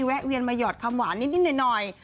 แวนมาหยอดคำหวานนิดหน่อย